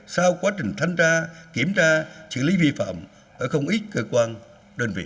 sau quá trình thanh tra kiểm tra xử lý vi phạm ở không ít cơ quan đơn vị